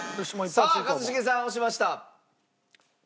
さあ一茂さん押しました。